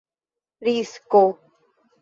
risko